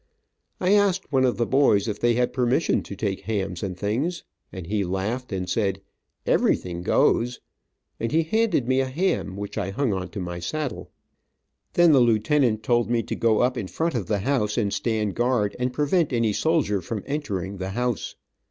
I asked one of the boys if they had permission to take hams and things, and he laughed and said, "everything goes," and he handed me a ham which I hung on to my saddle. Then the lieutenant told me to go up in front of the house and stand guard, and prevent any soldier from entering the house.